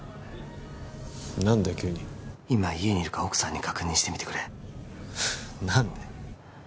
何だよ急に今家にいるか奥さんに確認してみてくれ何で？